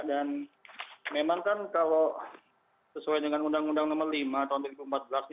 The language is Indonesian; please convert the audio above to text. dan memang kan kalau sesuai dengan undang undang nomor lima tahun dua ribu empat belas